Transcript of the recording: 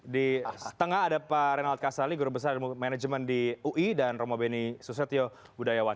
di tengah ada pak renald kasali guru besar manajemen di ui dan romo beni susetio budayawan